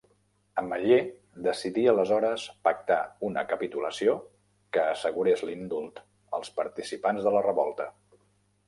Ametller decidí aleshores pactar una capitulació que assegurés l'indult als participants de la revolta.